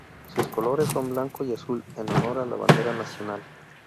Sus colores son blanco y azul en honor a la bandera nacional.